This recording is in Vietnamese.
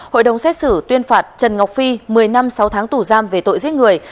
hội đồng xét xử tuyên phạt trần ngọc phi một mươi năm sáu tháng tù giam về tội giết người